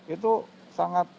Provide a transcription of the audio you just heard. itu sangat banyak